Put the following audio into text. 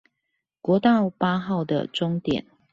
國道八號的終點